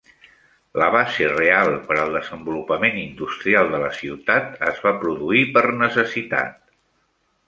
La base real per al desenvolupament industrial de la ciutat es va produir per necessitat.